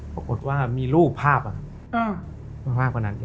ปรากฏว่ามีรูปภาพมากกว่านั้น